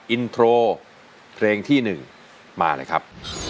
อินโทรเพลงที่๑มาเลยครับ